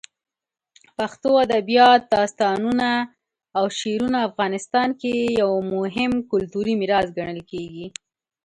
پښتو ادبیات، داستانونه، او شعرونه افغانستان کې یو مهم کلتوري میراث ګڼل کېږي.